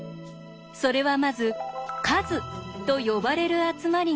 それはまず「数」と呼ばれる集まりが存在すること。